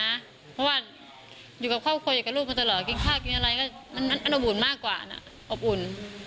เพราะว่าอยู่กับครอบครัวอยู่กับลูกมาตลอดกินข้าวกินอะไรก็มันอนบุ่นมากกว่านะอบอุ่น